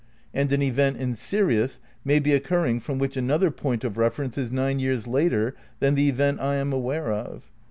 And an event in Sirius may be occurring which from another point of ref erence is nine years later than the event I am aware of.